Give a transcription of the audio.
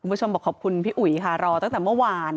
บอกขอบคุณพี่อุ๋ยค่ะรอตั้งแต่เมื่อวาน